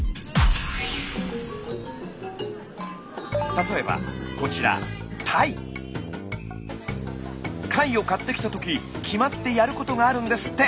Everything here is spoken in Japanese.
例えばこちら貝を買ってきた時決まってやることがあるんですって。